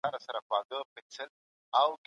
تدريس کي محتوا ټاکل سوې وي؛ ؛خو تعليم پراخ وي.